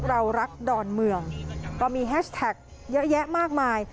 เรารักดอนเมืองก็มีแฮชแท็กเยอะแยะมากมาย